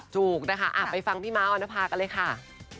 ถูกนะคะไปฟังพี่ม้าออนภากันเลยค่ะ